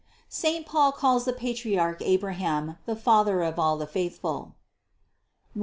501. Saint Paul calls the patriarch Abraham the father of all the faithful ( Rom.